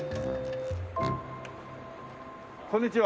こんにちは。